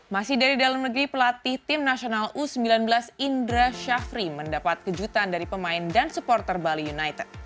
masih dari dalam negeri pelatih tim nasional u sembilan belas indra syafri mendapat kejutan dari pemain dan supporter bali united